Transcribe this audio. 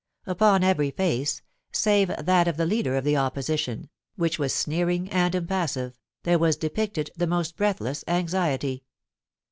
Upon every face, save that of the leader of the Opposition, which was sneering and impassive, there was depicted the most breathless anxiety.